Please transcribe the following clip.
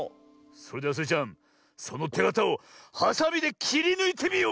それではスイちゃんそのてがたをはさみできりぬいてみよ！